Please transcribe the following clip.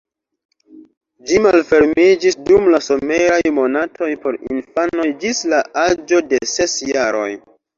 Ĝi malfermiĝis dum la someraj monatoj por infanoj ĝis la aĝo de ses jaroj.